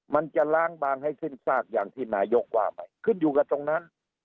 มันจะล้างบางให้ขึ้นซากอย่างที่นายกว่าไหมขึ้นอยู่กับตรงนั้น